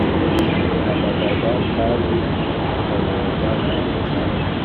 Ihamagarwa kandi ikayoborwa naleta